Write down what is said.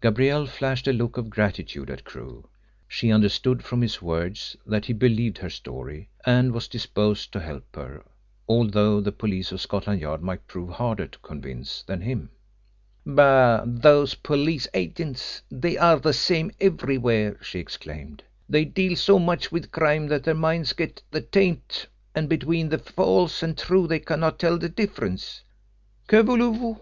Gabrielle flashed a look of gratitude at Crewe. She understood from his words that he believed her story and was disposed to help her, although the police of Scotland Yard might prove harder to convince than him. "Bah! those police agents they are the same everywhere," she exclaimed. "They deal so much with crime that their minds get the taint, and between the false and true they cannot tell the difference. _Que voulez vous?